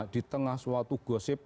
di tengah suatu gosip